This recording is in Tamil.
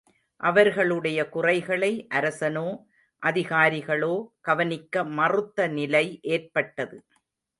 அவர்களுடைய குறைகளை அரசனோ, அதிகாரிகளோ கவனிக்க மறுத்த நிலை ஏற்பட்டது.